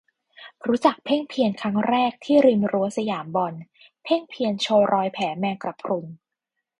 รู้จักเพ่งเพียรครั้งแรกที่ริมรั้วสยามบอล เพ่งเพียรโชว์รอยแผลแมงกระพรุน